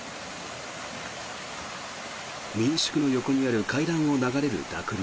民宿の横にある階段を流れる濁流。